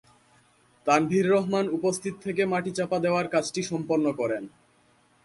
তানভীর রহমান উপস্থিত থেকে মাটিচাপা দেওয়ার কাজটি সম্পন্ন করেন।